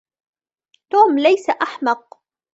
توم ليس أحمق.